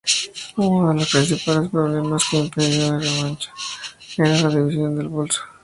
Uno de los principales problemas que impedía la revancha era la división del bolso.